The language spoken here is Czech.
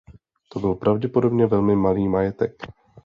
To byl pravděpodobně velmi malý majetek.